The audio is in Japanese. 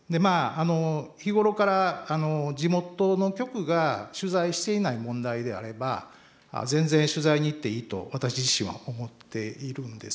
日頃から地元の局が取材していない問題であれば全然取材に行っていいと私自身は思っているんですけど。